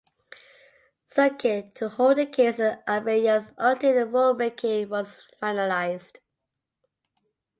Circuit to hold the case in abeyance until the rulemaking was finalized.